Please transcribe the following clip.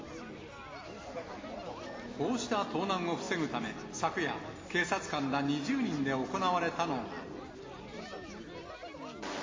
こうした盗難を防ぐため、昨夜、警察官ら２０人で行われたのが。